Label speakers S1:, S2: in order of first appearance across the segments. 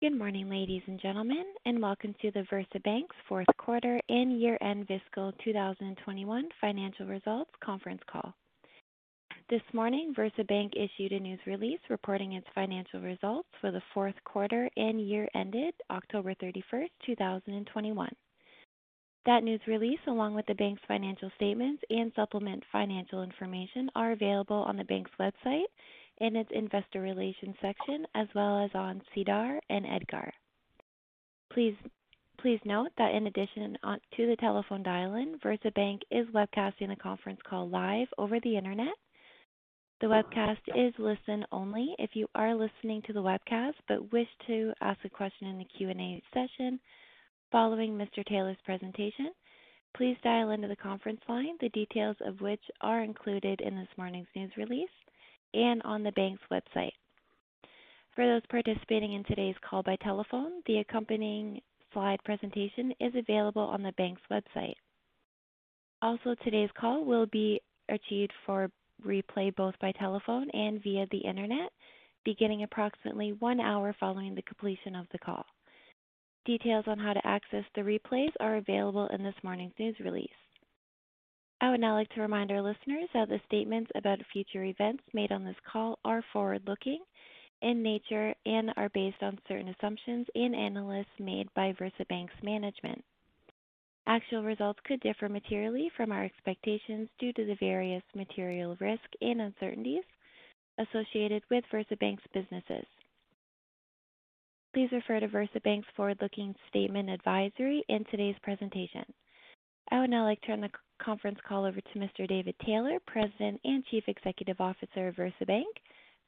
S1: Good morning, ladies and gentlemen, and welcome to the VersaBank 4th quarter and year-end fiscal 2021 financial results conference call. This morning, VersaBank issued a news release reporting its financial results for the 4th quarter and year-ended October 31, 2021. That news release, along with the bank's financial statements and supplementary financial information, are available on the bank's website in its investor relations section, as well as on SEDAR and EDGAR. Please note that in addition to the telephone dial-in, VersaBank is webcasting the conference call live over the Internet. The webcast is listen only. If you are listening to the webcast but wish to ask a question in the Q&A session following Mr. Taylor's presentation, please dial into the conference line, the details of which are included in this morning's news release and on the bank's website. For those participating in today's call by telephone, the accompanying slide presentation is available on the bank's website. Also, today's call will be archived for replay both by telephone and via the Internet, beginning approximately 1 hour following the completion of the call. Details on how to access the replays are available in this morning's news release. I would now like to remind our listeners that the statements about future events made on this call are forward-looking in nature and are based on certain assumptions and analyses made by VersaBank's management. Actual results could differ materially from our expectations due to the various material risks and uncertainties associated with VersaBank's businesses. Please refer to VersaBank's forward-looking statement advisory in today's presentation. I would now like to turn the conference call over to Mr. David Taylor, President and Chief Executive Officer of VersaBank.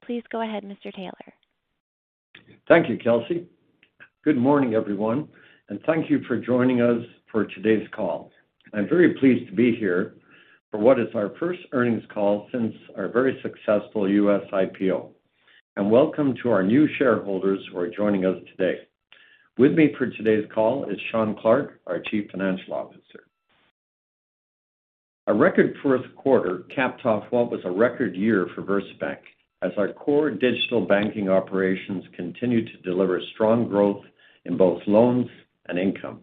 S1: Please go ahead, Mr. Taylor.
S2: Thank you, Kelsey. Good morning, everyone, and thank you for joining us for today's call. I'm very pleased to be here for what is our 1st earnings call since our very successful U.S. IPO. Welcome to our new shareholders who are joining us today. With me for today's call is Shawn Clarke, our Chief Financial Officer. A record 4th quarter capped off what was a record year for VersaBank as our core digital banking operations continued to deliver strong growth in both loans and income.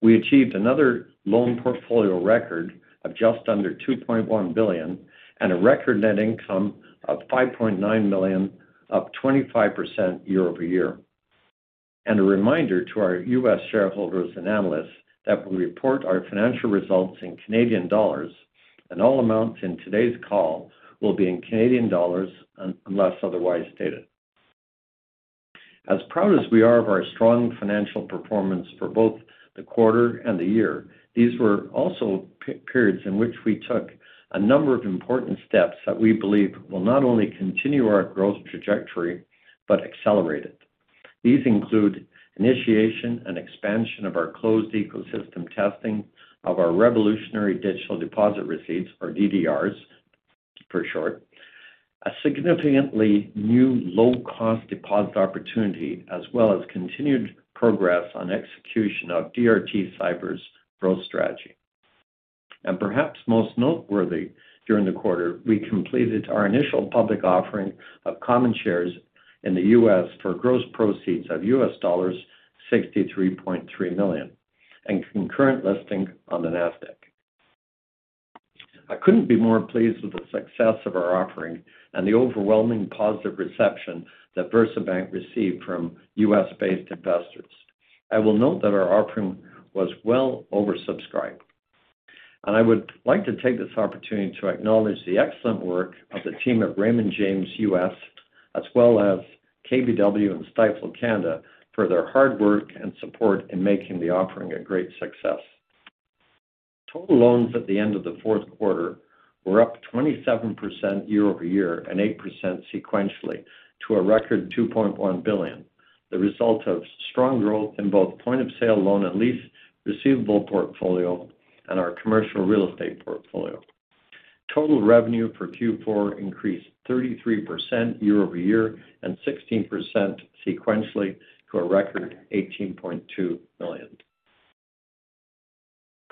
S2: We achieved another loan portfolio record of just under 2.1 billion and a record net income of 5.9 million, up 25% year-over-year. A reminder to our U.S. shareholders and analysts that we report our financial results in Canadian dollars and all amounts in today's call will be in Canadian dollars unless otherwise stated. As proud as we are of our strong financial performance for both the quarter and the year, these were also periods in which we took a number of important steps that we believe will not only continue our growth trajectory but accelerate it. These include initiation and expansion of our closed ecosystem testing of our revolutionary digital deposit receipts or DDRs for short, a significantly new low-cost deposit opportunity as well as continued progress on execution of DRT Cyber's growth strategy. Perhaps most noteworthy during the quarter, we completed our initial public offering of common shares in the U.S. for gross proceeds of $63.3 million and concurrent listing on the Nasdaq. I couldn't be more pleased with the success of our offering and the overwhelming positive reception that VersaBank received from U.S.-based investors. I will note that our offering was well oversubscribed. I would like to take this opportunity to acknowledge the excellent work of the team at Raymond James U.S. as well as KBW and Stifel Canada for their hard work and support in making the offering a great success. Total loans at the end of the 4th quarter were up 27% year-over-year and 8% sequentially to a record 2.1 billion, the result of strong growth in both point of sale loan and lease receivable portfolio and our commercial real estate portfolio. Total revenue for Q4 increased 33% year-over-year and 16% sequentially to a record 18.2 million.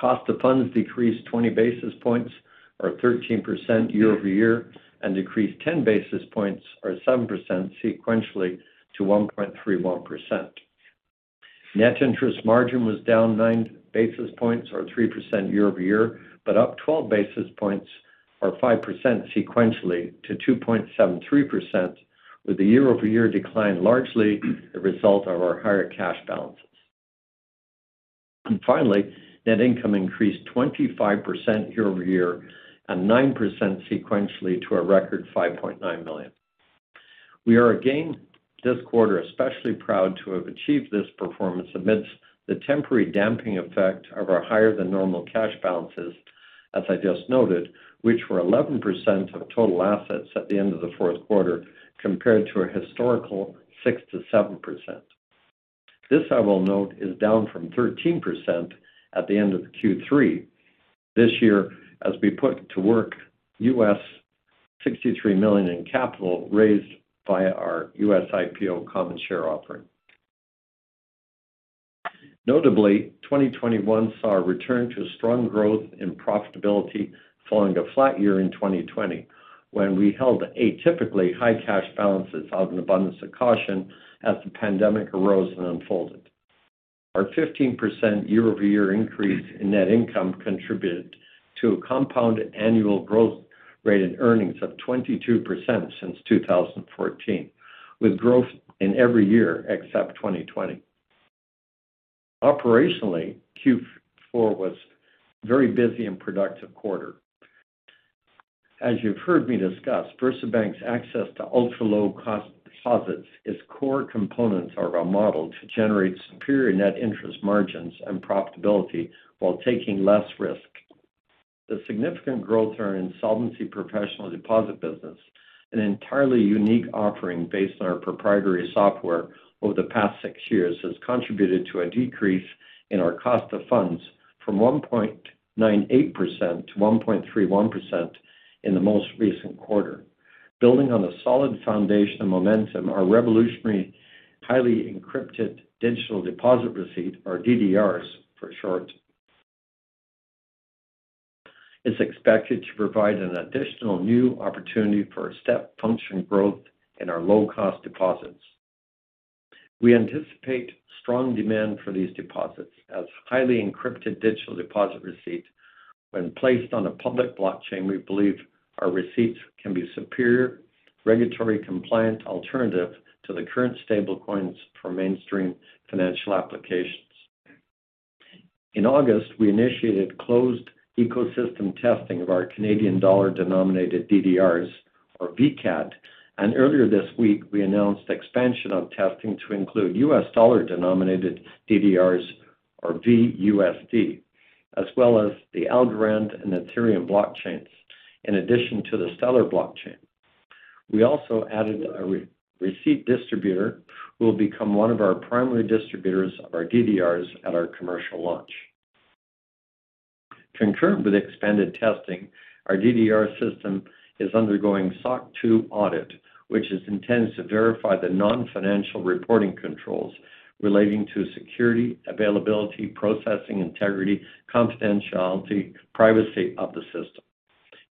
S2: Cost of funds decreased 20 basis points or 13% year-over-year and decreased 10 basis points or 7% sequentially to 1.31%. Net interest margin was down 9 basis points or 3% year-over-year, but up 12 basis points or 5% sequentially to 2.73%, with the year-over-year decline largely the result of our higher cash balances. Finally, net income increased 25% year-over-year and 9% sequentially to a record 5.9 million. We are again this quarter especially proud to have achieved this performance amidst the temporary damping effect of our higher than normal cash balances, as I just noted, which were 11% of total assets at the end of the 4th quarter compared to a historical 6%-7%. This, I will note, is down from 13% at the end of Q3 this year as we put to work $63 million in capital raised by our US IPO common share offering. Notably, 2021 saw a return to strong growth and profitability following a flat year in 2020, when we held atypically high cash balances out of an abundance of caution as the pandemic arose and unfolded. Our 15% year-over-year increase in net income contributed to a compound annual growth rate in earnings of 22% since 2014, with growth in every year except 2020. Operationally, Q4 was very busy and productive quarter. As you've heard me discuss, VersaBank's access to ultra-low-cost deposits is core components of our model to generate superior net interest margins and profitability while taking less risk. The significant growth in our insolvency professional deposit business, an entirely unique offering based on our proprietary software over the past 6 years has contributed to a decrease in our cost of funds from 1.98% to 1.31% in the most recent quarter. Building on the solid foundation of momentum, our revolutionary highly encrypted Digital Deposit Receipt, or DDRs for short, is expected to provide an additional new opportunity for a step function growth in our low-cost deposits. We anticipate strong demand for these deposits as highly encrypted digital deposit receipt when placed on a public blockchain. We believe our receipts can be superior regulatory compliant alternative to the current stablecoins for mainstream financial applications. In August, we initiated closed ecosystem testing of our Canadian dollar-denominated DDRs or VCAD. Earlier this week, we announced expansion on testing to include US dollar-denominated DDRs or VUSD, as well as the Algorand and Ethereum blockchains in addition to the Stellar blockchain. We also added a re-receipt distributor who will become one of our primary distributors of our DDRs at our commercial launch. Concurrent with expanded testing, our DDR system is undergoing SOC 2 audit, which is intended to verify the non-financial reporting controls relating to security, availability, processing integrity, confidentiality, privacy of the system.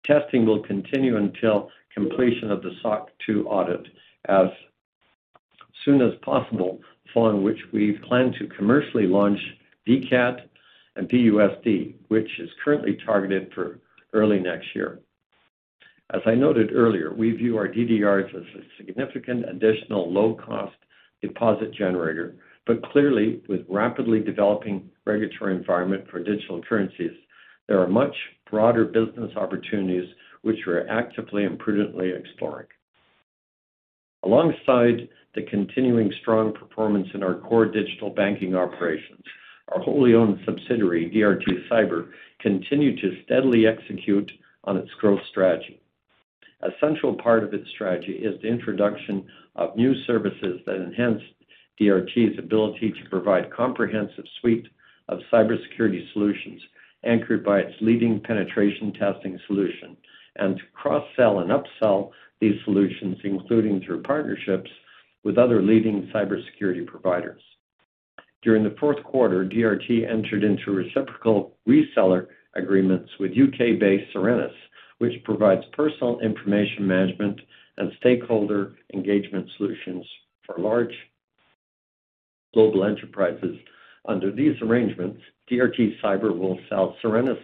S2: Testing will continue until completion of the SOC 2 audit as soon as possible, following which we plan to commercially launch VCAD and VUSD, which is currently targeted for early next year. As I noted earlier, we view our DDRs as a significant additional low-cost deposit generator, but clearly with rapidly developing regulatory environment for digital currencies, there are much broader business opportunities which we're actively and prudently exploring. Alongside the continuing strong performance in our core digital banking operations, our wholly owned subsidiary, DRT Cyber, continued to steadily execute on its growth strategy. A central part of its strategy is the introduction of new services that enhanced DRT's ability to provide comprehensive suite of cybersecurity solutions anchored by its leading penetration testing solution and to cross-sell and upsell these solutions, including through partnerships with other leading cybersecurity providers. During the fourth quarter, DRT entered into reciprocal reseller agreements with U.K.-based Syrenis, which provides personal information management and stakeholder engagement solutions for large global enterprises. Under these arrangements, DRT Cyber will sell Syrenis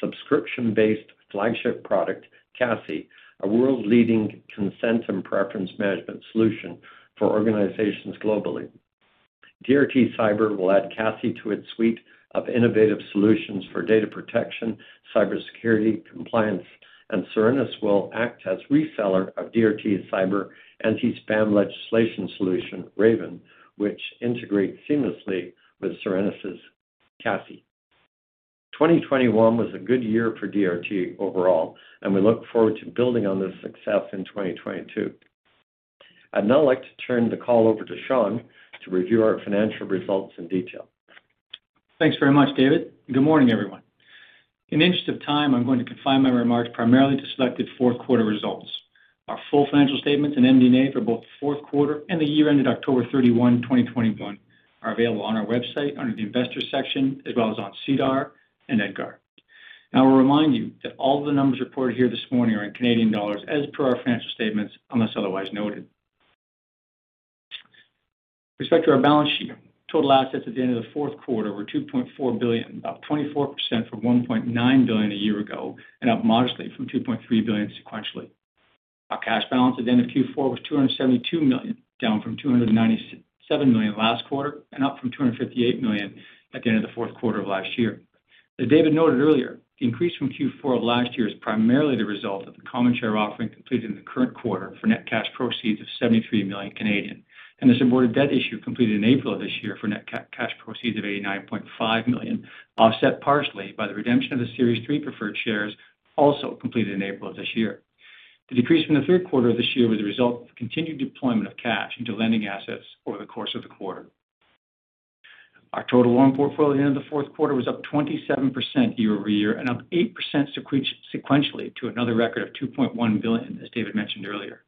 S2: subscription-based flagship product, Cassie, a world leading consent and preference management solution for organizations globally. DRT Cyber will add Cassie to its suite of innovative solutions for data protection, cybersecurity compliance, and Syrenis will act as reseller of DRT Cyber anti-spam legislation solution, Raven, which integrates seamlessly with Syrenis' Cassie. 2021 was a good year for DRT overall, and we look forward to building on this success in 2022. I'd now like to turn the call over to Shawn to review our financial results in detail.
S3: Thanks very much, David. Good morning, everyone. In the interest of time, I'm going to confine my remarks primarily to selected 4th quarter results. Our full financial statements and MD&A for both 4th quarter and the year ended October 31, 2021 are available on our website under the Investors section, as well as on SEDAR and EDGAR. I will remind you that all the numbers reported here this morning are in Canadian dollars as per our financial statements, unless otherwise noted. With respect to our balance sheet, total assets at the end of the 4th quarter were 2.4 billion, about 24% from 1.9 billion a year ago and up modestly from 2.3 billion sequentially. Our cash balance at the end of Q4 was 272 million, down from 297 million last quarter and up from 258 million at the end of the 4th quarter of last year. As David noted earlier, the increase from Q4 of last year is primarily the result of the common share offering completed in the current quarter for net cash proceeds of 73 million and the subordinated debt issue completed in April of this year for net cash proceeds of 89.5 million, offset partially by the redemption of the Series 3 Preferred Shares also completed in April of this year. The decrease from the 3rd quarter of this year was a result of continued deployment of cash into lending assets over the course of the quarter. Our total loan portfolio at the end of the 4th quarter was up 27% year-over-year and up 8% sequentially to another record of 2.1 billion, as David mentioned earlier.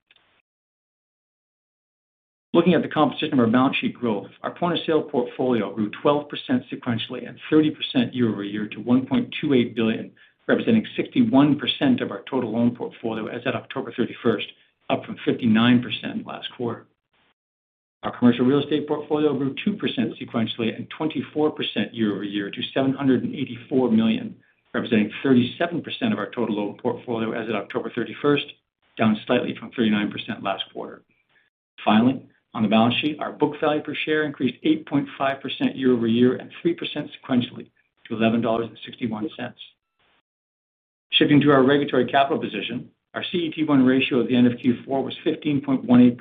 S3: Looking at the composition of our balance sheet growth, our point-of-sale portfolio grew 12% sequentially and 30% year-over-year to 1.28 billion, representing 61% of our total loan portfolio as of October 31st, up from 59% last quarter. Our commercial real estate portfolio grew 2% sequentially and 24% year-over-year to 784 million, representing 37% of our total loan portfolio as of October 31st, down slightly from 39% last quarter. Finally, on the balance sheet, our book value per share increased 8.5% year-over-year and 3% sequentially to 11.61 dollars. Shifting to our regulatory capital position. Our CET1 ratio at the end of Q4 was 15.18%,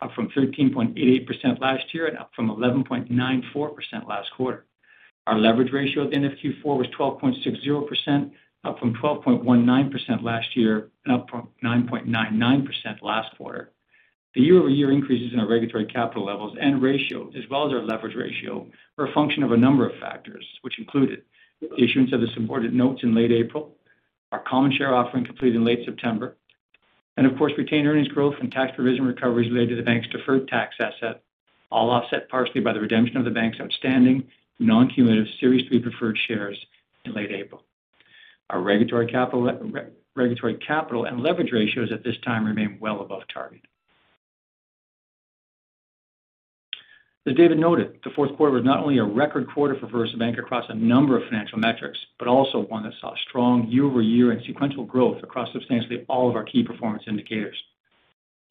S3: up from 13.88% last year and up from 11.94% last quarter. Our leverage ratio at the end of Q4 was 12.60%, up from 12.19% last year and up from 9.99% last quarter. The year-over-year increases in our regulatory capital levels and ratio as well as our leverage ratio are a function of a number of factors which included the issuance of the subordinated notes in late April, our common share offering completed in late September, and of course, retained earnings growth and tax provision recoveries related to the bank's deferred tax asset, all offset partially by the redemption of the bank's outstanding non-cumulative Series 3 preferred shares in late April. Our regulatory capital and leverage ratios at this time remain well above target. As David noted, the 4th quarter was not only a record quarter for VersaBank across a number of financial metrics, but also one that saw strong year-over-year and sequential growth across substantially all of our key performance indicators.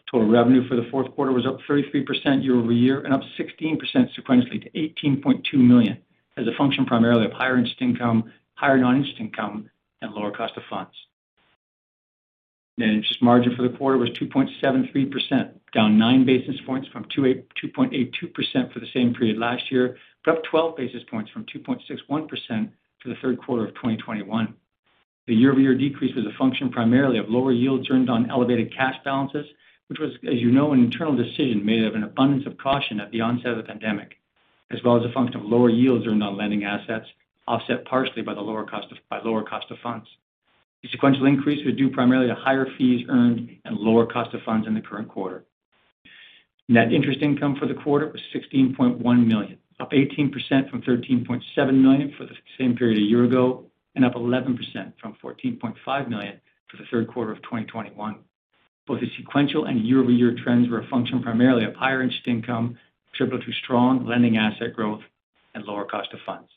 S3: Total revenue for the 4th quarter was up 33% year-over-year and up 16% sequentially to 18.2 million as a function primarily of higher interest income, higher non-interest income, and lower cost of funds. Net interest margin for the quarter was 2.73%, down 9 basis points from 2.82% for the same period last year, but up 12 basis points from 2.61% for the 3rd quarter of 2021. The year-over-year decrease was a function primarily of lower yields earned on elevated cash balances, which was, as you know, an internal decision made out of an abundance of caution at the onset of the pandemic, as well as a function of lower yields earned on lending assets, offset partially by lower cost of funds. The sequential increase was due primarily to higher fees earned and lower cost of funds in the current quarter. Net interest income for the quarter was 16.1 million, up 18% from 13.7 million for the same period a year ago, and up 11% from 14.5 million for the 3rd quarter of 2021. Both the sequential and year-over-year trends were a function primarily of higher interest income attributable to strong lending asset growth and lower cost of funds.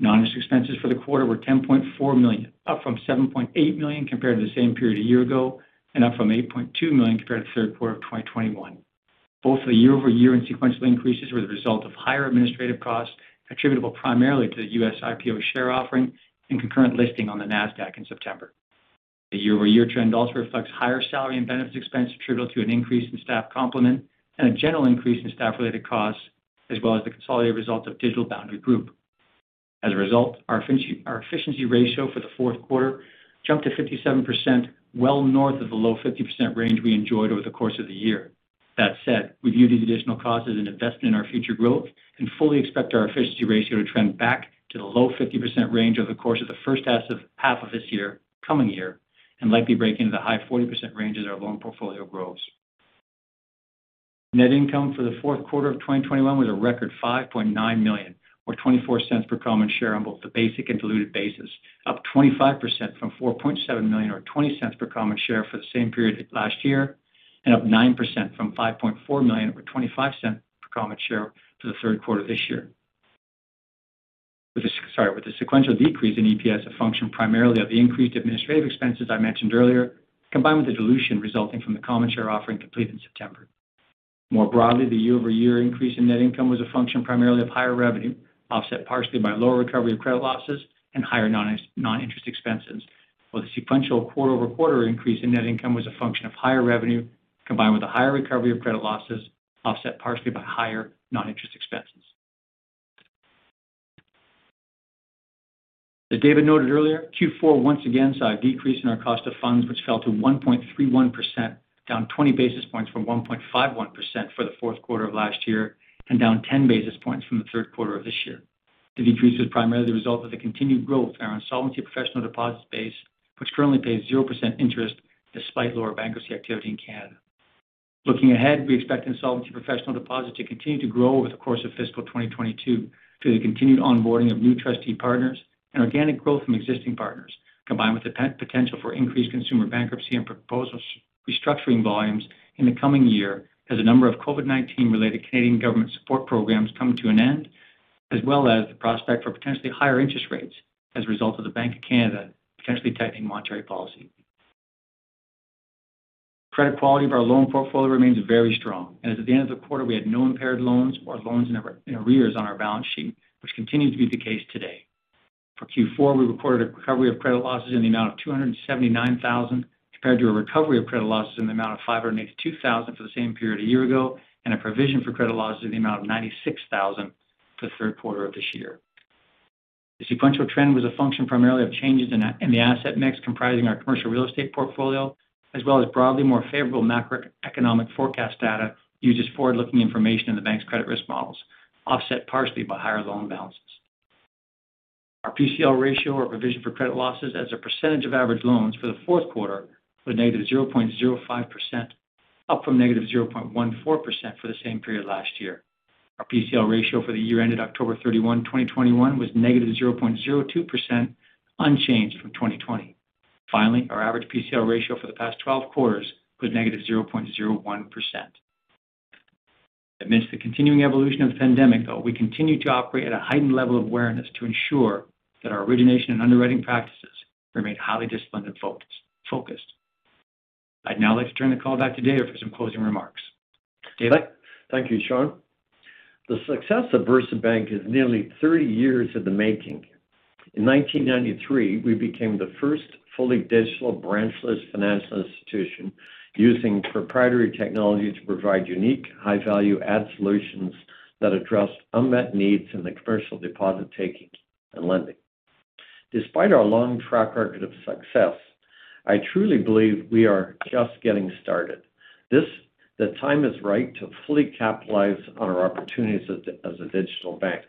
S3: Non-interest expenses for the quarter were 10.4 million, up from 7.8 million compared to the same period a year ago, and up from 8.2 million compared to the third quarter of 2021. Both the year-over-year and sequential increases were the result of higher administrative costs attributable primarily to the U.S. IPO share offering and concurrent listing on the Nasdaq in September. The year-over-year trend also reflects higher salary and benefits expense attributable to an increase in staff complement and a general increase in staff related costs, as well as the consolidated results of Digital Boundary Group. As a result, our efficiency ratio for the 4th quarter jumped to 57%, well north of the low 50% range we enjoyed over the course of the year. That said, we view these additional costs as an investment in our future growth and fully expect our efficiency ratio to trend back to the low 50% range over the course of the first half of this coming year, and likely break into the high 40% range as our loan portfolio grows. Net income for the 4th quarter of 2021 was a record 5.9 million, or 0.24 per common share on both the basic and diluted basis, up 25% from 4.7 million or 0.20 per common share for the same period last year, and up 9% from 5.4 million or 0.25 per common share for the third quarter this year. With the sequential decrease in EPS, a function primarily of the increased administrative expenses I mentioned earlier, combined with the dilution resulting from the common share offering completed in September. More broadly, the year-over-year increase in net income was a function primarily of higher revenue, offset partially by lower recovery of credit losses and higher non-interest expenses. While the sequential quarter-over-quarter increase in net income was a function of higher revenue, combined with a higher recovery of credit losses, offset partially by higher non-interest expenses. As David noted earlier, Q4 once again saw a decrease in our cost of funds, which fell to 1.31%, down 20 basis points from 1.51% for the fourth quarter of last year and down 10 basis points from the 3rd quarter of this year. The decrease was primarily the result of the continued growth in our insolvency professional deposit base, which currently pays 0% interest despite lower bankruptcy activity in Canada. Looking ahead, we expect insolvency professional deposits to continue to grow over the course of fiscal 2022 through the continued onboarding of new trustee partners and organic growth from existing partners, combined with the potential for increased consumer bankruptcy and proposal restructuring volumes in the coming year as a number of COVID-19 related Canadian government support programs come to an end, as well as the prospect for potentially higher interest rates as a result of the Bank of Canada potentially tightening monetary policy. Credit quality of our loan portfolio remains very strong, and as at the end of the quarter, we had no impaired loans or loans in arrears on our balance sheet, which continues to be the case today. For Q4, we reported a recovery of credit losses in the amount of 279 thousand, compared to a recovery of credit losses in the amount of 582 thousand for the same period a year ago, and a provision for credit losses in the amount of 96 thousand for the 3rd quarter of this year. The sequential trend was a function primarily of changes in the asset mix comprising our commercial real estate portfolio, as well as broadly more favorable macroeconomic forecast data used as forward-looking information in the bank's credit risk models, offset partially by higher loan balances. Our PCL ratio or provision for credit losses as a percentage of average loans for the 4th quarter were negative 0.05%, up from negative 0.14% for the same period last year. Our PCL ratio for the year ended October 31, 2021 was negative 0.02%, unchanged from 2020. Finally, our average PCL ratio for the past 12 quarters was negative 0.01%. Amidst the continuing evolution of the pandemic, though, we continue to operate at a heightened level of awareness to ensure that our origination and underwriting practices remain highly disciplined and focused. I'd now like to turn the call back to David for some closing remarks. David?
S2: Thank you, Shawn. The success of VersaBank is nearly 30 years in the making. In 1993, we became the first fully digital branchless financial institution using proprietary technology to provide unique, high value add solutions that addressed unmet needs in the commercial deposit taking and lending. Despite our long track record of success, I truly believe we are just getting started. The time is right to fully capitalize on our opportunities as a digital bank.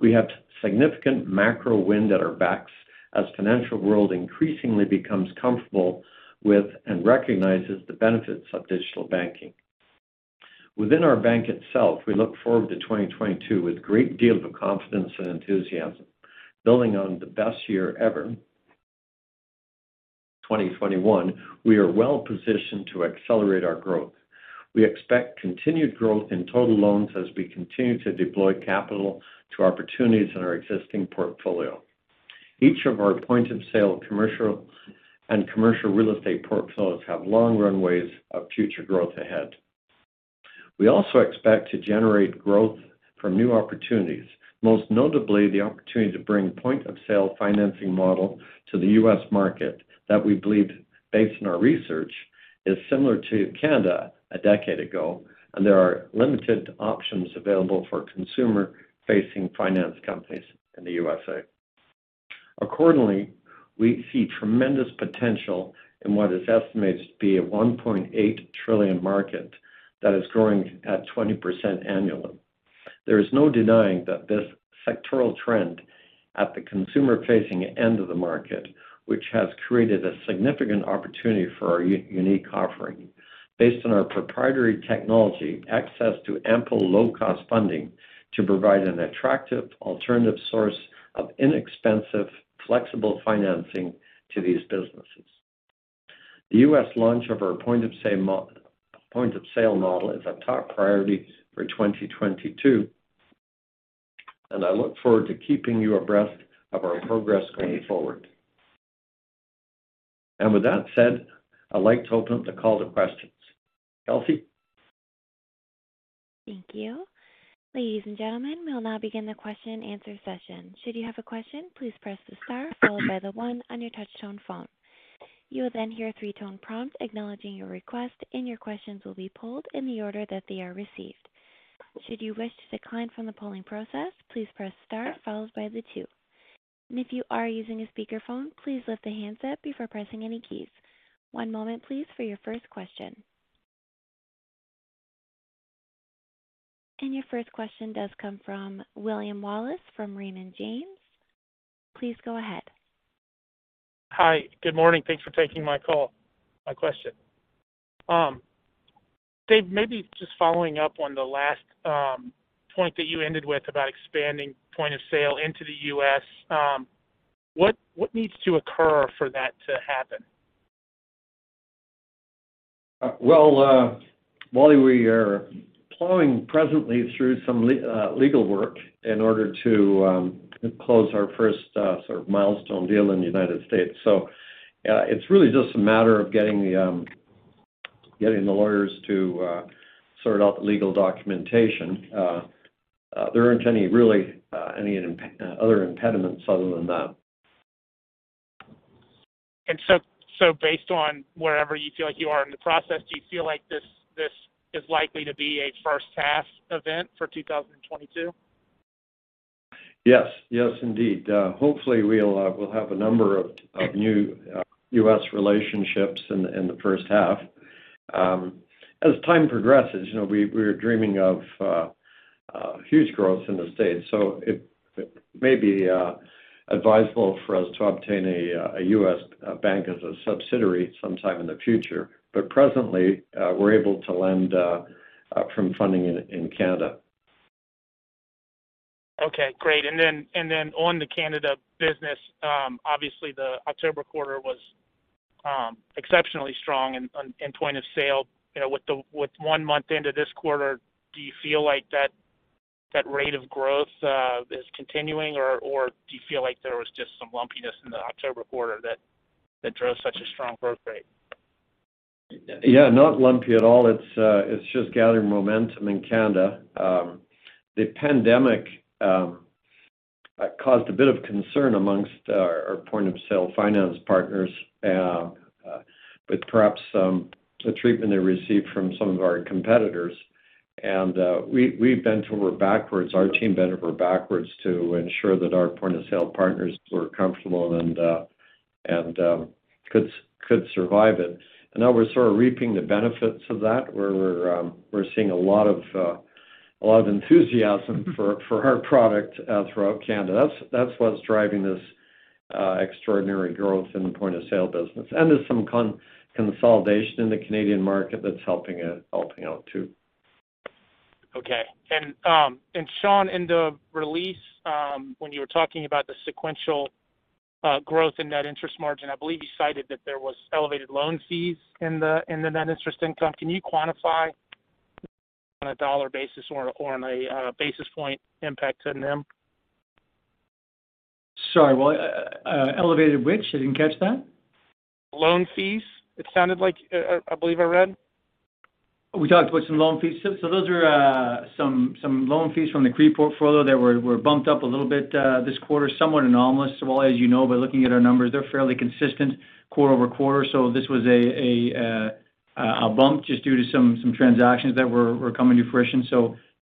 S2: We have significant macro wind at our backs as financial world increasingly becomes comfortable with and recognizes the benefits of digital banking. Within our bank itself, we look forward to 2022 with great deal of confidence and enthusiasm. Building on the best year ever, 2021, we are well positioned to accelerate our growth. We expect continued growth in total loans as we continue to deploy capital to opportunities in our existing portfolio. Each of our point of sale commercial and commercial real estate portfolios have long runways of future growth ahead. We also expect to generate growth from new opportunities, most notably the opportunity to bring point of sale financing model to the U.S. market that we believe based on our research, is similar to Canada a decade ago, and there are limited options available for consumer-facing finance companies in the USA. Accordingly, we see tremendous potential in what is estimated to be a $1.8 trillion market that is growing at 20% annually. There is no denying that this sectoral trend at the consumer-facing end of the market, which has created a significant opportunity for our unique offering based on our proprietary technology access to ample low cost funding to provide an attractive alternative source of inexpensive, flexible financing to these businesses. The US launch of our point of sale model is a top priority for 2022, and I look forward to keeping you abreast of our progress going forward. With that said, I'd like to open up the call to questions. Kelsey?
S1: Thank you. Ladies and gentlemen, we'll now begin the question-and-answer session. Should you have a question, please press the star followed by the 1 on your Touch-tone phone. You will then hear a 3-tone prompt acknowledging your request, and your questions will be polled in the order that they are received. Should you wish to decline from the polling process, please press star followed by the 2. If you are using a speakerphone, please lift the handset before pressing any keys. One moment please for your 1st question. Your 1st question does come from William Wallace from Raymond James. Please go ahead.
S4: Hi. Good morning. Thanks for taking my call, my question. David, maybe just following up on the last point that you ended with about expanding point of sale into the U.S. What needs to occur for that to happen?
S2: Well, Wally, we are plowing presently through some legal work in order to close our 1st sort of milestone deal in the United States. It's really just a matter of getting the lawyers to sort out the legal documentation. There aren't any really other impediments other than that.
S4: Based on wherever you feel like you are in the process, do you feel like this is likely to be a 1st half event for 2022?
S2: Yes. Yes, indeed. Hopefully we'll have a number of new U.S. relationships in the first half. As time progresses, you know, we're dreaming of huge growth in the States. It may be advisable for us to obtain a U.S. bank as a subsidiary sometime in the future. Presently, we're able to lend from funding in Canada.
S4: Okay, great. On the Canada business, obviously the October quarter was exceptionally strong in point of sale. You know, with 1 month into this quarter, do you feel like that rate of growth is continuing, or do you feel like there was just some lumpiness in the October quarter that drove such a strong growth rate?
S2: Yeah, not lumpy at all. It's just gathering momentum in Canada. The pandemic caused a bit of concern among our point of sale finance partners with the treatment they received from some of our competitors. We bent over backwards. Our team bent over backwards to ensure that our point of sale partners were comfortable and could survive it. Now we're sort of reaping the benefits of that, where we're seeing a lot of enthusiasm for our product throughout Canada. That's what's driving this extraordinary growth in the point of sale business. There's some consolidation in the Canadian market that's helping out too.
S4: Shawn, in the release, when you were talking about the sequential growth in net interest margin, I believe you cited that there was elevated loan fees in the net interest income. Can you quantify on a dollar basis or on a basis point impact to NIM?
S3: Sorry, what elevated which? I didn't catch that.
S4: Loan fees. It sounded like, I believe I read.
S3: We talked about some loan fees. Those are some loan fees from the CRE portfolio that were bumped up a little bit this quarter, somewhat anomalous. All, as you know by looking at our numbers, they're fairly consistent quarter-over-quarter. This was a bump just due to some transactions that were coming to fruition.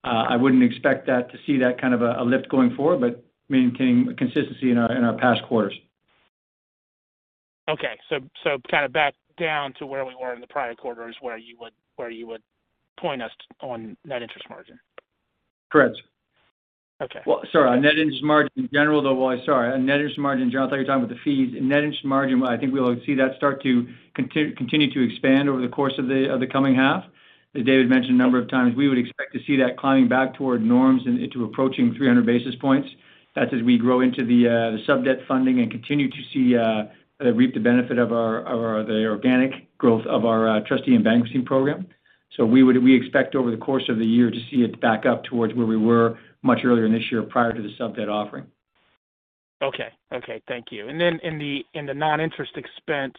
S3: I wouldn't expect to see that kind of a lift going forward, but maintaining consistency in our past quarters.
S4: Okay. Kind of back down to where we were in the prior quarters where you would point us on net interest margin.
S3: Correct.
S4: Okay.
S3: Sorry. Our net interest margin in general, though. I thought you were talking about the fees. Net interest margin, I think we'll see that start to continue to expand over the course of the coming half. As David mentioned a number of times, we would expect to see that climbing back toward norms and into approaching 300 basis points. That's as we grow into the subordinated debt funding and continue to see reap the benefit of our the organic growth of our trustee and bankruptcy program. We expect over the course of the year to see it back up towards where we were much earlier in this year prior to the subordinated debt offering.
S4: Okay. Okay, thank you. Then in the non-interest expense,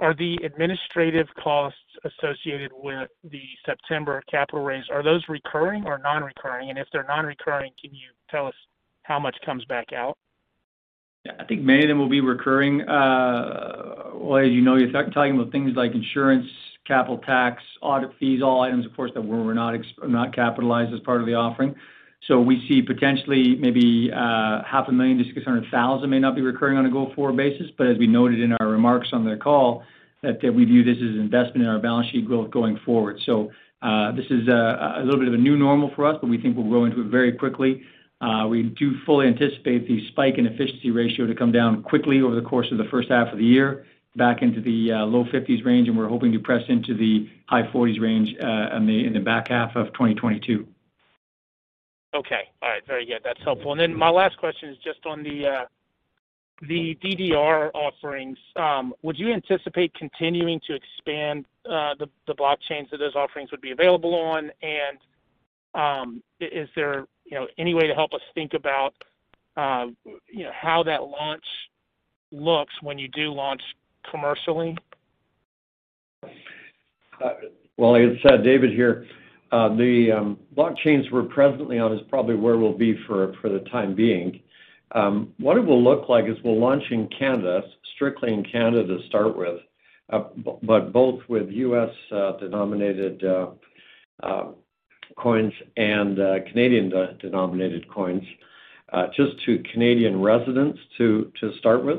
S4: are the administrative costs associated with the September capital raise recurring or non-recurring? If they're non-recurring, can you tell us how much comes back out?
S3: Yeah. I think many of them will be recurring. Well, as you know, you're talking about things like insurance, capital tax, audit fees, all items, of course, that were not capitalized as part of the offering. We see potentially maybe 500,000 to 600,000 may not be recurring on a go-forward basis. As we noted in our remarks on the call that we view this as an investment in our balance sheet going forward. This is a little bit of a new normal for us, but we think we'll grow into it very quickly. We do fully anticipate the spike in efficiency ratio to come down quickly over the course of the first half of the year back into the low fifties range, and we're hoping to press into the high forties range in the back half of 2022.
S4: Okay. All right. Very good. That's helpful. My last question is just on the DDR offerings. Would you anticipate continuing to expand the blockchains that those offerings would be available on? Is there, you know, any way to help us think about, you know, how that launch looks when you do launch commercially?
S2: Well, as I said, David here, the blockchains we're presently on is probably where we'll be for the time being. What it will look like is we'll launch in Canada, strictly in Canada to start with, but both with U.S. denominated coins and Canadian denominated coins, just to Canadian residents to start with.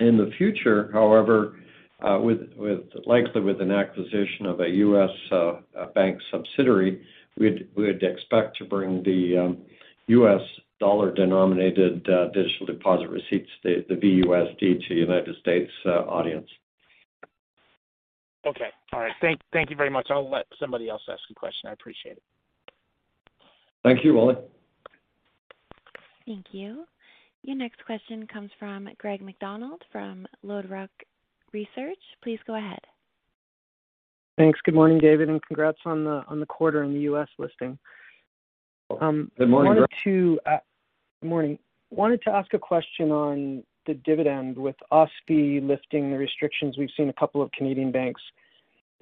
S2: In the future, however, with likely with an acquisition of a U.S. bank subsidiary, we'd expect to bring the U.S. dollar-denominated digital deposit receipts, the VUSD, to United States audience.
S4: Okay. All right. Thank you very much. I'll let somebody else ask a question. I appreciate it.
S2: Thank you, Wally.
S1: Thank you. Your next question comes from Greg MacDonald from LodeRock Research. Please go ahead.
S5: Thanks. Good morning, David, and congrats on the quarter in the U.S. listing.
S2: Good morning, Greg.
S5: Good morning. Wanted to ask a question on the dividend. With OSFI lifting the restrictions, we've seen a couple of Canadian banks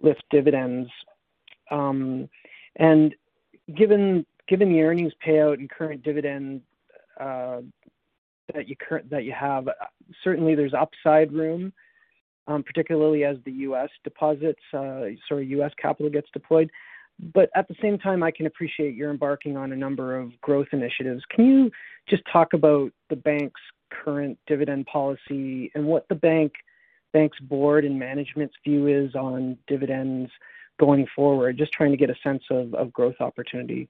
S5: lift dividends. And given the earnings payout and current dividend that you have, certainly there's upside room, particularly as the US deposits, sorry, US capital gets deployed. But at the same time, I can appreciate you're embarking on a number of growth initiatives. Can you just talk about the bank's current dividend policy and what the bank's board and management's view is on dividends going forward? Just trying to get a sense of growth opportunity.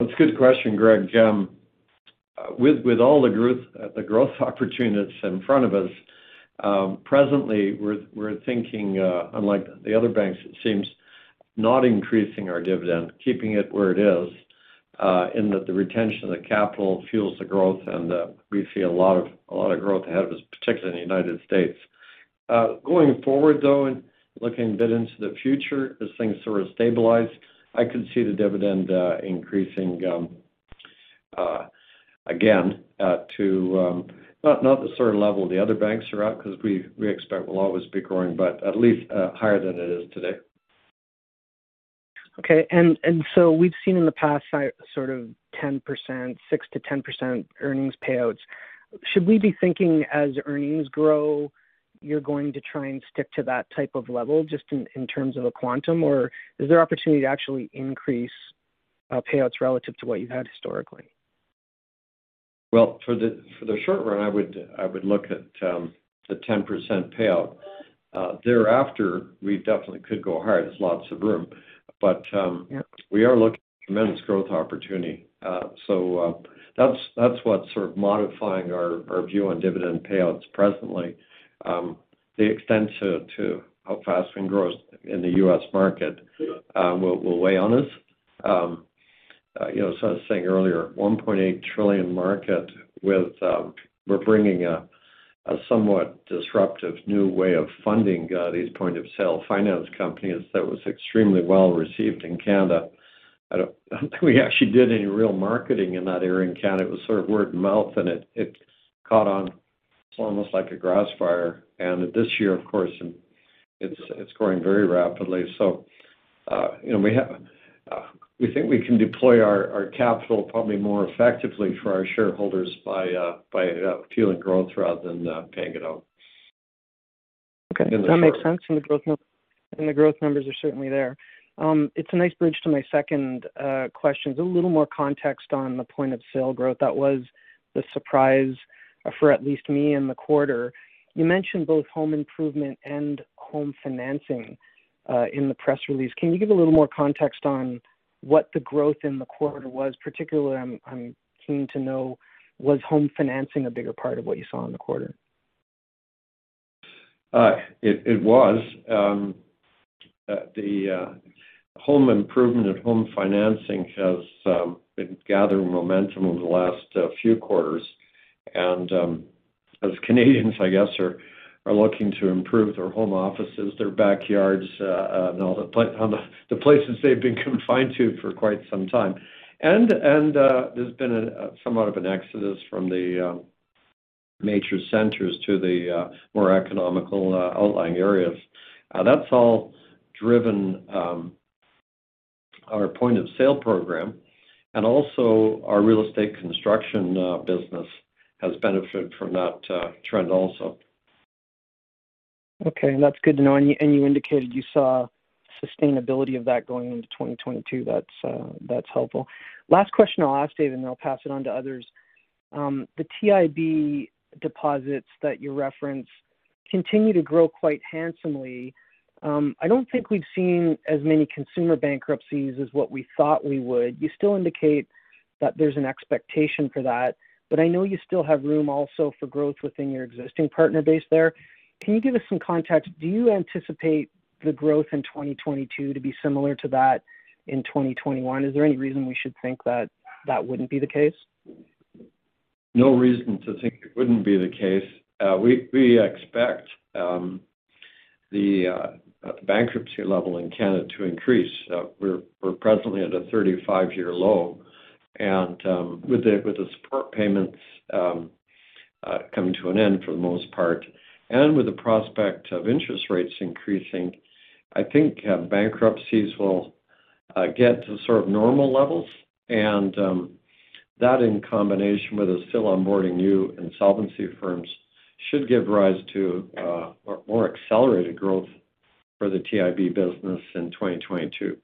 S2: That's a good question, Greg. With all the growth opportunities in front of us, presently we're thinking, unlike the other banks, it seems, not increasing our dividend, keeping it where it is, in that the retention of the capital fuels the growth and we see a lot of growth ahead of us, particularly in the United States. Going forward, though, and looking a bit into the future as things sort of stabilize, I could see the dividend increasing, again, to not the sort of level the other banks are at because we expect we'll always be growing, but at least higher than it is today.
S5: Okay. We've seen in the past sort of 10%, 6%-10% earnings payouts. Should we be thinking as earnings grow, you're going to try and stick to that type of level just in terms of a quantum? Or is there opportunity to actually increase payouts relative to what you've had historically.
S2: Well, for the short run, I would look at the 10% payout. Thereafter, we definitely could go higher. There's lots of room.
S5: Yeah.
S2: We are looking at tremendous growth opportunity. That's what's sort of modifying our view on dividend payouts presently. The extent to how fast we can grow in the U.S. market will weigh on us. You know, as I was saying earlier, $1.8 trillion market with. We're bringing a somewhat disruptive new way of funding these point of sale finance companies that was extremely well received in Canada. I don't think we actually did any real marketing in that area in Canada. It was sort of word of mouth, and it caught on almost like a grass fire. This year, of course, it's growing very rapidly. You know, we think we can deploy our capital probably more effectively for our shareholders by fueling growth rather than paying it out.
S5: Okay. That makes sense. The growth numbers are certainly there. It's a nice bridge to my second question. A little more context on the point of sale growth. That was the surprise for at least me in the quarter. You mentioned both home improvement and home financing in the press release. Can you give a little more context on what the growth in the quarter was? Particularly, I'm keen to know, was home financing a bigger part of what you saw in the quarter?
S2: It was. The home improvement and home financing has been gathering momentum over the last few quarters. As Canadians, I guess, are looking to improve their home offices, their backyards, all the places they've been confined to for quite some time. There's been somewhat of an exodus from the major centers to the more economical outlying areas. That's all driven our point of sale program and also our real estate construction business has benefited from that trend also.
S5: Okay. That's good to know. You indicated you saw sustainability of that going into 2022. That's helpful. Last question I'll ask, David, and then I'll pass it on to others. The TIB deposits that you referenced continue to grow quite handsomely. I don't think we've seen as many consumer bankruptcies as what we thought we would. You still indicate that there's an expectation for that, but I know you still have room also for growth within your existing partner base there. Can you give us some context? Do you anticipate the growth in 2022 to be similar to that in 2021? Is there any reason we should think that that wouldn't be the case?
S2: No reason to think it wouldn't be the case. We expect the bankruptcy level in Canada to increase. We're presently at a 35-year low. With the support payments coming to an end for the most part and with the prospect of interest rates increasing, I think bankruptcies will get to sort of normal levels. That in combination with us still onboarding new insolvency firms should give rise to more accelerated growth for the TIB business in 2022.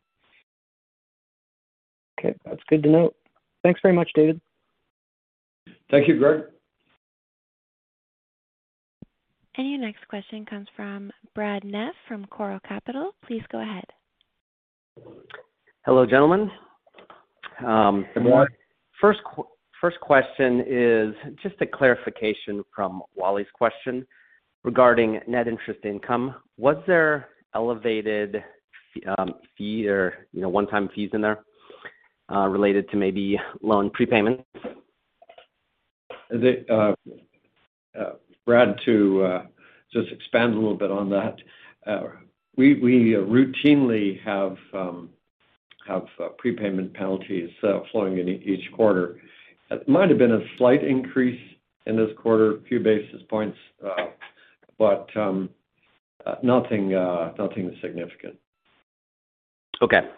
S5: Okay. That's good to note. Thanks very much, David.
S2: Thank you, Greg.
S1: Your next question comes from Brad Neff from Coral Capital. Please go ahead.
S6: Hello, gentlemen.
S2: Good morning.
S6: First question is just a clarification from Wally's question regarding net interest income. Was there elevated fee or, you know, one-time fees in there related to maybe loan prepayments?
S2: Brad, to just expand a little bit on that. We routinely have prepayment penalties flowing in each quarter. It might have been a slight increase in this quarter, a few basis points, but nothing significant.
S6: Okay.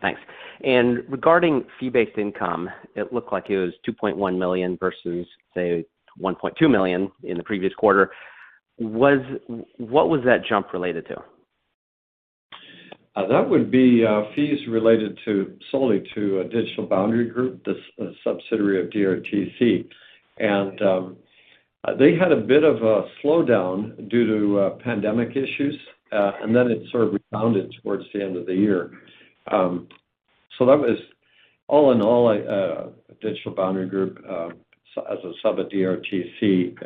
S6: Thanks. Regarding fee-based income, it looked like it was 2.1 million versus, say, 1.2 million in the previous quarter. What was that jump related to?
S2: That would be fees related solely to Digital Boundary Group, the subsidiary of DRTC. They had a bit of a slowdown due to pandemic issues. It sort of rebounded towards the end of the year. That was all in all Digital Boundary Group as a sub at DRTC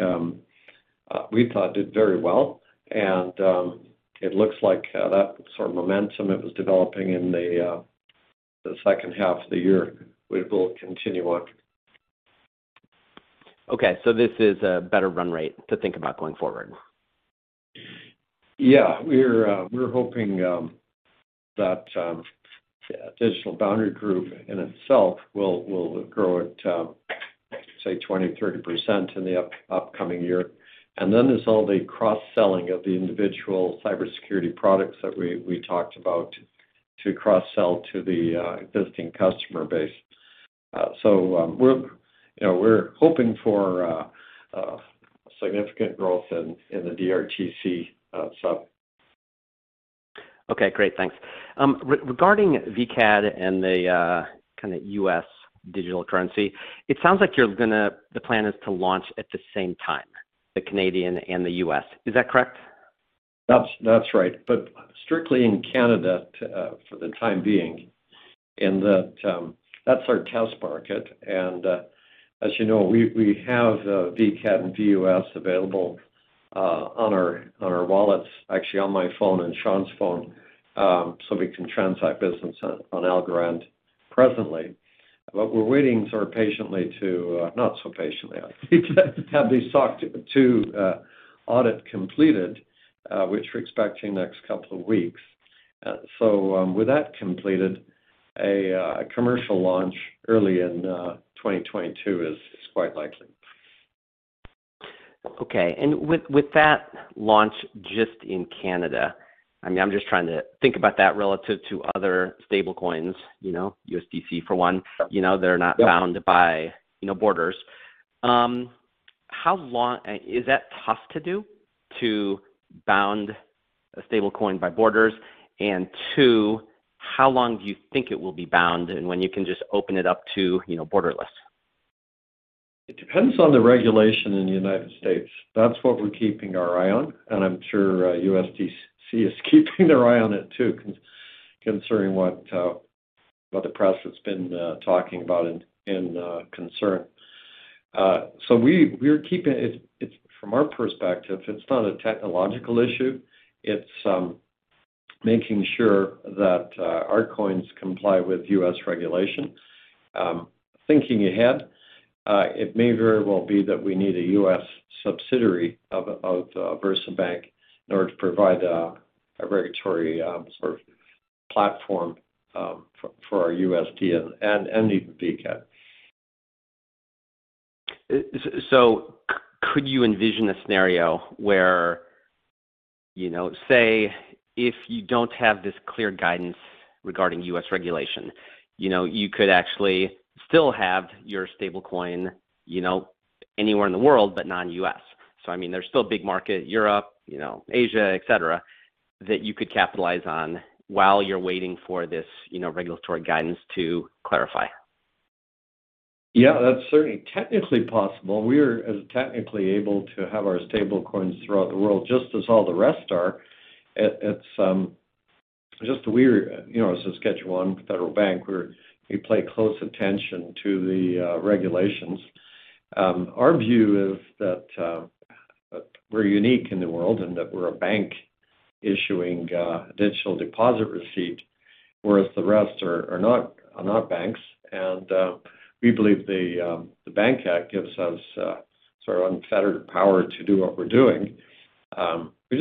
S2: we thought did very well. It looks like that sort of momentum it was developing in the second half of the year will continue on.
S6: This is a better run rate to think about going forward.
S2: We're hoping that Digital Boundary Group in itself will grow at, say, 20%-30% in the upcoming year. Then there's all the cross-selling of the individual cybersecurity products that we talked about to cross-sell to the existing customer base. We're, you know, hoping for significant growth in the DRTC sub.
S6: Okay, great. Thanks. Regarding VCAD and the kind of U.S. digital currency, it sounds like the plan is to launch at the same time, the Canadian and the U.S. Is that correct?
S2: That's right. Strictly in Canada for the time being, in that's our test market. As you know, we have VCAD and VUSD available on our wallets, actually on my phone and Shawn's phone, so we can transact business on Algorand presently. We're waiting sort of patiently to not so patiently I think to have these SOC 2 audit completed, which we're expecting next couple of weeks. With that completed, a commercial launch early in 2022 is quite likely.
S6: Okay. With that launch just in Canada, I mean, I'm just trying to think about that relative to other stablecoins, you know, USDC for one. You know, they're not.
S2: Yep.
S6: Not bound by, you know, borders. How long is that tough to do to bound a stablecoin by borders? Two, how long do you think it will be bound, and when you can just open it up to, you know, borderless?
S2: It depends on the regulation in the United States. That's what we're keeping our eye on, and I'm sure USDC is keeping their eye on it too considering what the press has been talking about and concern. We're keeping. From our perspective, it's not a technological issue. It's making sure that our coins comply with U.S. regulation. Thinking ahead, it may very well be that we need a U.S. subsidiary of VersaBank in order to provide a regulatory sort of platform for our USD and even VCAD.
S6: Could you envision a scenario where, you know, say, if you don't have this clear guidance regarding U.S. regulation, you know, you could actually still have your stable coin, you know, anywhere in the world, but non-U.S. I mean, there's still a big market, Europe, you know, Asia, et cetera, that you could capitalize on while you're waiting for this, you know, regulatory guidance to clarify.
S2: Yeah, that's certainly technically possible. We're as technically able to have our stablecoins throughout the world, just as all the rest are. It's just we're, you know, as a Schedule I federal bank, we play close attention to the regulations. Our view is that we're unique in the world, in that we're a bank issuing a Digital Deposit Receipt, whereas the rest are not banks. We believe the Bank Act gives us sort of unfettered power to do what we're doing. We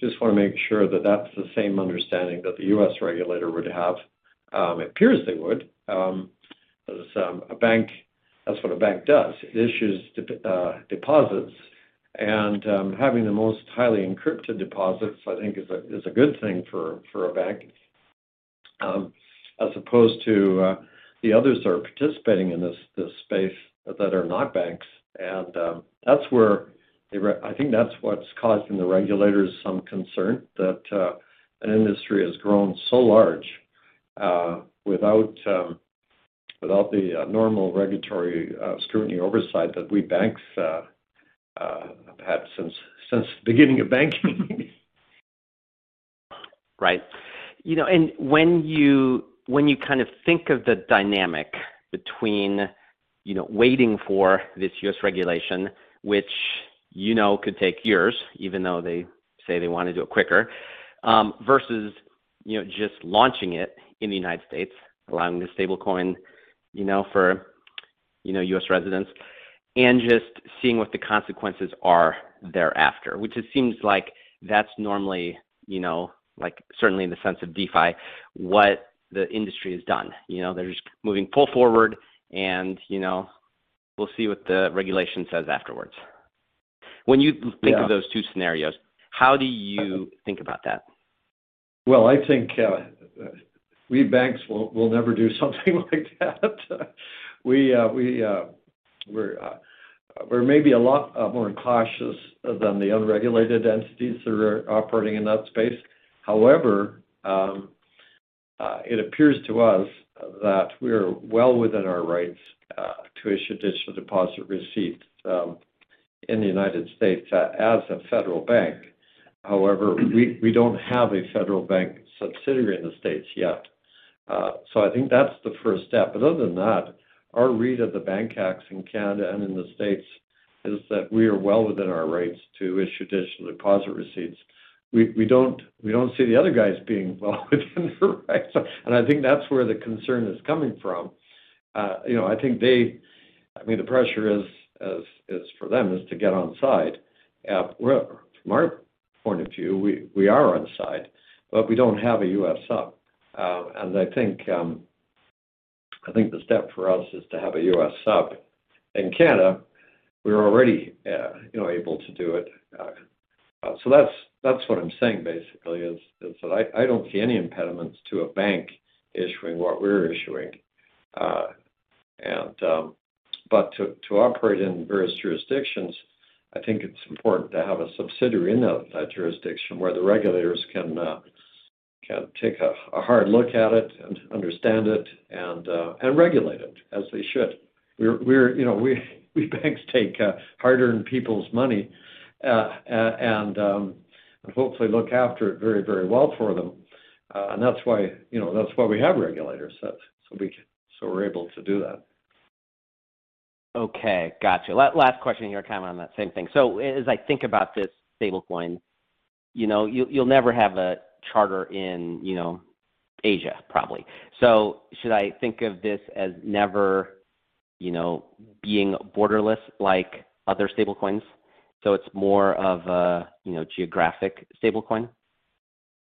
S2: just wanna make sure that that's the same understanding that the U.S. regulator would have. It appears they would, as a bank. That's what a bank does. It issues deposits. Having the most highly encrypted deposits, I think, is a good thing for a bank as opposed to the others that are participating in this space that are not banks. That's where I think that's what's causing the regulators some concern, that an industry has grown so large without the normal regulatory scrutiny, oversight that we banks have had since the beginning of banking.
S6: Right. You know, when you kind of think of the dynamic between, you know, waiting for this U.S. regulation, which you know could take years, even though they say they wanna do it quicker, versus, you know, just launching it in the United States, allowing the stablecoin, you know, for, you know, U.S. residents, and just seeing what the consequences are thereafter. Which it seems like that's normally, you know, like certainly in the sense of DeFi, what the industry has done. You know, they're just moving full forward and, you know, we'll see what the regulation says afterwards. When you-
S2: Yeah.
S6: Think of those two scenarios, how do you think about that?
S2: Well, I think we banks will never do something like that. We're maybe a lot more cautious than the unregulated entities that are operating in that space. However, it appears to us that we're well within our rights to issue digital deposit receipts in the United States as a federal bank. However, we don't have a federal bank subsidiary in the States yet. So I think that's the first step. Other than that, our read of the Bank Acts in Canada and in the States is that we are well within our rights to issue digital deposit receipts. We don't see the other guys being well within their rights. I think that's where the concern is coming from. You know, I think they. I mean, the pressure is for them to get on side. Well, from our point of view, we are on side, but we don't have a U.S. sub. I think the step for us is to have a U.S. sub. In Canada, we're already, you know, able to do it. That's what I'm saying basically, is that I don't see any impediments to a bank issuing what we're issuing, but to operate in various jurisdictions, I think it's important to have a subsidiary in that jurisdiction where the regulators can take a hard look at it and understand it and regulate it as they should. You know, we banks take hard-earned people's money and hopefully look after it very well for them. That's why, you know, we have regulators, so we're able to do that.
S6: Okay. Gotcha. Last question in your time on that same thing. As I think about this stablecoin, you know, you'll never have a charter in, you know, Asia, probably. Should I think of this as never, you know, being borderless like other stablecoins, so it's more of a, you know, geographic stablecoin?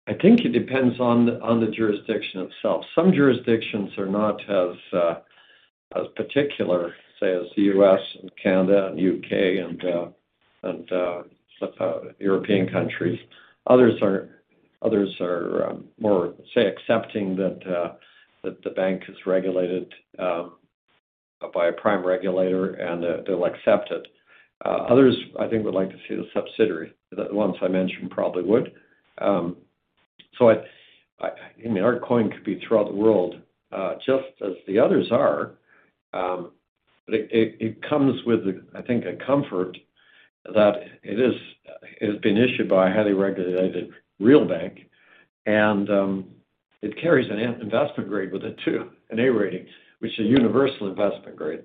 S2: I think it depends on the jurisdiction itself. Some jurisdictions are not as particular, say, as the U.S. and Canada and U.K. and some European countries. Others are more accepting that the bank is regulated by a prime regulator, and they'll accept it. Others, I think, would like to see the subsidiary. The ones I mentioned probably would. I mean, our coin could be throughout the world, just as the others are. It comes with, I think, a comfort that it has been issued by a highly regulated real bank, and it carries an investment grade with it too, an A rating, which is universal investment grade.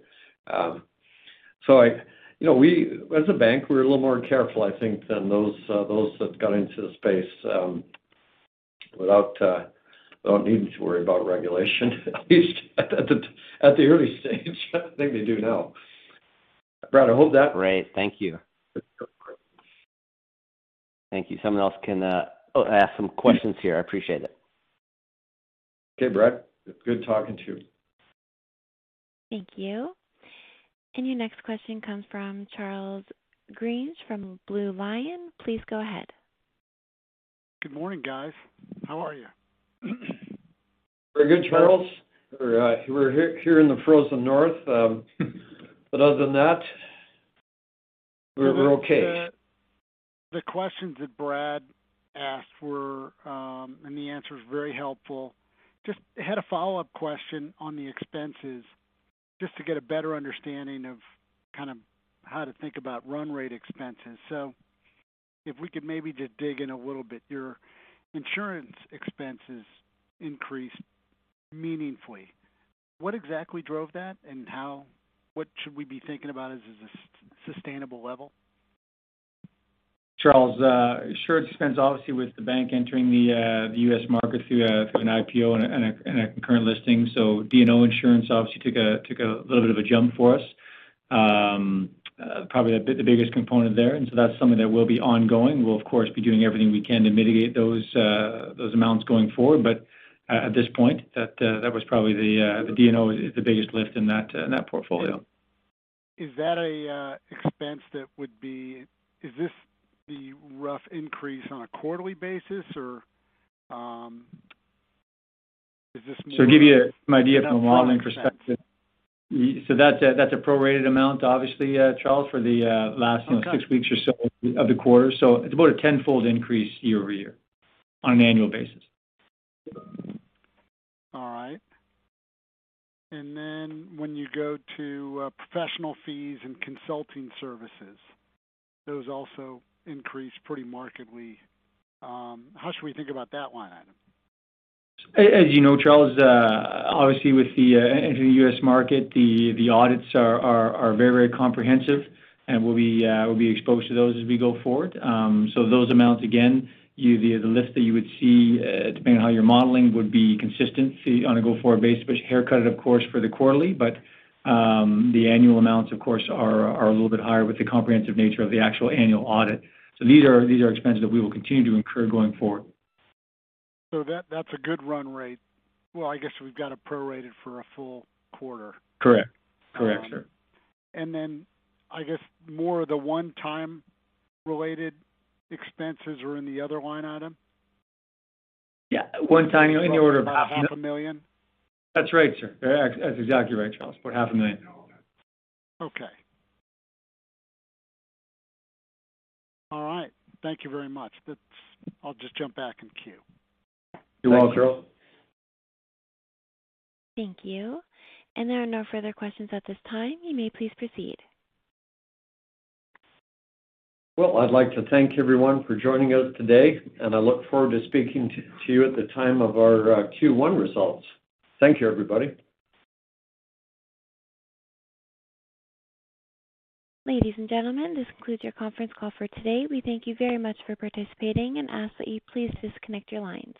S2: You know, we as a bank, we're a little more careful, I think, than those that got into the space, without needing to worry about regulation, at least at the early stage. I think they do now. Brad, I hope that
S6: Great. Thank you. Someone else can ask some questions here. I appreciate it.
S2: Okay, Brad. It's good talking to you.
S1: Thank you. Your next question comes from Charles Griege from Blue Lion. Please go ahead.
S7: Good morning, guys. How are you?
S2: We're good, Charles. We're here in the frozen north. Other than that, we're okay.
S7: The questions that Brad asked were, and the answer is very helpful. Just had a follow-up question on the expenses, just to get a better understanding of kind of how to think about run rate expenses. If we could maybe just dig in a little bit, your insurance expenses increased meaningfully. What exactly drove that, and what should we be thinking about as a sustainable level?
S3: Charles, insurance expense, obviously, with the bank entering the U.S. market through an IPO and a concurrent listing. D&O insurance obviously took a little bit of a jump for us. Probably the biggest component there, that's something that will be ongoing. We'll of course be doing everything we can to mitigate those amounts going forward. At this point, that was probably the D&O, is the biggest lift in that portfolio.
S7: Is this the rough increase on a quarterly basis, or is this more?
S3: To give you some idea from a modeling perspective.
S7: Is that a permanent expense?
S3: That's a prorated amount, obviously, Charles, for the
S7: Okay.
S3: Last, like, 6 weeks or so of the quarter. It's about a tenfold increase year-over-year on an annual basis.
S7: All right. When you go to professional fees and consulting services, those also increased pretty markedly. How should we think about that line item?
S3: As you know, Charles, obviously with the entering U.S. market, the audits are very comprehensive, and we'll be exposed to those as we go forward. Those amounts, again, the list that you would see, depending on how you're modeling, would be consistent, say, on a go-forward basis, but haircutted of course for the quarterly. The annual amounts of course are a little bit higher with the comprehensive nature of the actual annual audit. These are expenses that we will continue to incur going forward.
S7: That, that's a good run rate. Well, I guess we've got it prorated for a full quarter.
S3: Correct, sir.
S7: I guess more of the one-time related expenses are in the other line item?
S3: Yeah. One-time in the order of CAD 500,000.
S7: About 500,000?
S3: That's right, sir. That's exactly right, Charles. About 500,000.
S7: Okay. All right. Thank you very much. I'll just jump back in queue.
S2: You're welcome.
S3: Thank you.
S1: Thank you. There are no further questions at this time. You may please proceed.
S2: Well, I'd like to thank everyone for joining us today, and I look forward to speaking to you at the time of our Q1 results. Thank you, everybody.
S1: Ladies and gentlemen, this concludes your conference call for today. We thank you very much for participating and ask that you please disconnect your lines.